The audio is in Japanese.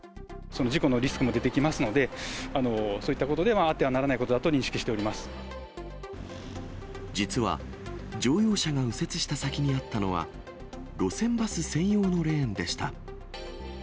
その事故のリスクも出てきますので、そういったことでは、あってはならないことだと認識し実は、乗用車が右折した先にあったのは、路線バス専用のレーンでした。